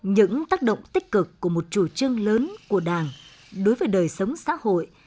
những tác động tích cực của một chủ trương lớn của đảng đối với đời sống xã hội